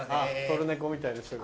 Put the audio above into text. トルネコみたいな人が。